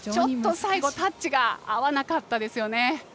最後、タッチが合わなかったですよね。